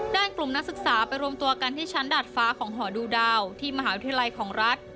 กลุ่มนักศึกษาไปรวมตัวกันที่ชั้นดาดฟ้าของหอดูดาวที่มหาวิทยาลัยของรัฐ